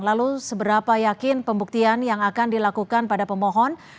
lalu seberapa yakin pembuktian yang akan dilakukan pada pemohon